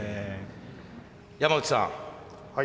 山内さん